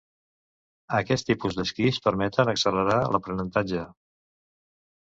Aquest tipus d'esquís permeten accelerar l'aprenentatge.